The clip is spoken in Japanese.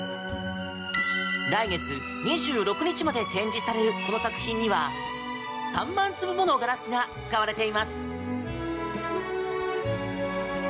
来月２６日まで展示されるこの作品には３万粒ものガラスが使われています。